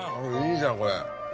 いいじゃんこれ。